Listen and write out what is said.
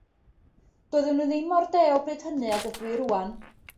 Doeddwn i ddim mor dew bryd hynny ag ydw i rŵan.